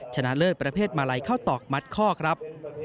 ชนะเลิศประเภทมาลัยเข้าตอกมัดข้อครับ